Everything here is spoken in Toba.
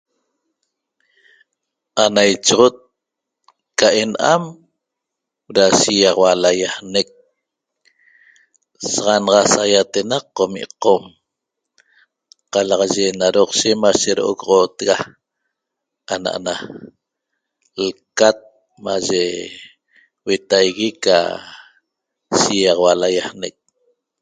Ana ichoxot ca ena'am da shegaxaua laiaanec saxanaxa saiatenaq qomi' qom qalaxaye na doqshe mashe rogoxotega ana na lqat maye huetagui ca shiagaxaua laiaanec